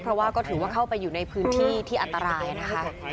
เพราะว่าก็ถือว่าเข้าไปอยู่ในพื้นที่ที่อันตรายนะคะ